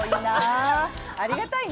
ありがたいね。